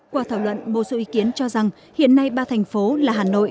qua thảo luận một số ý kiến cho rằng hiện nay ba thành phố là hà nội